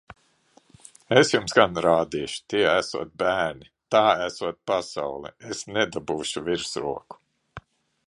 Es jums gan rādīšu! Tie esot bērni! Tā esot pasaule! Es nedabūšu virsroku!